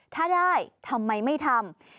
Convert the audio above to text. ถ้าได้ทำไมไม่ทำ